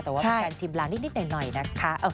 แต่ว่าเป็นการชิมร้านนิดหน่อยนะคะ